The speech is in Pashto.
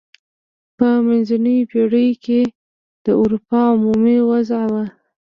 په منځنیو پیړیو کې د اروپا عمومي اوضاع وه.